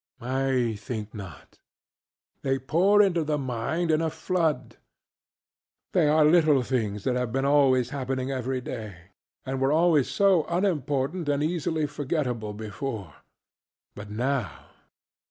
I think not. They pour into the mind in a flood. They are little things that have been always happening every day, and were always so unimportant and easily forgettable beforeŌĆöbut now!